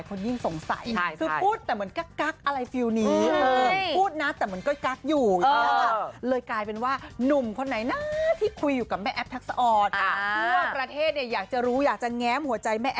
ปุ่มนนกุลขึ้นมา